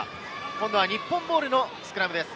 今度は日本ボールのスクラムです。